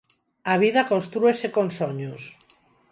A vida constrúese con soños.